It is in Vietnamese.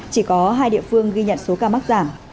chỉ có hai địa phương ghi nhận số ca mắc giảm